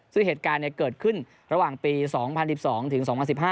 ซึ่งเหตุการณ์เกิดขึ้นระหว่างปี๒๐๑๒ถึง๒๐๑๕